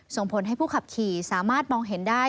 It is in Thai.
ส่งผลให้ผู้ขับขี่สามารถมองเห็นได้